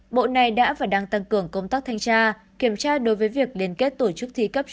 bộ này đã và đang tăng cường công tác thanh tra kiểm tra đối với việc liên kết tổ chức thi cấp